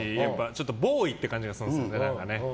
ボーイって感じがするんですよね。